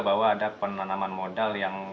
bahwa ada penanaman modal yang